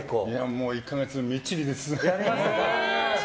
もう１か月みっちりです。